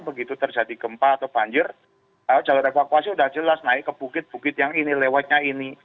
begitu terjadi gempa atau banjir jalur evakuasi sudah jelas naik ke bukit bukit yang ini lewatnya ini